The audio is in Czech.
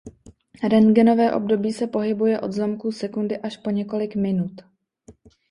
Rentgenové období se pohybuje od zlomků sekundy až po několik minut.